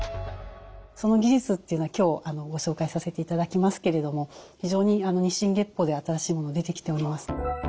その技術っていうのは今日ご紹介させていただきますけれども非常に日進月歩で新しいもの出てきております。